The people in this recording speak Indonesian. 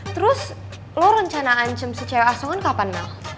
terus lo rencana ancam si cewek aso kan kapan mel